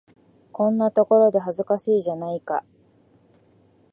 こんなところで、恥ずかしいじゃないか。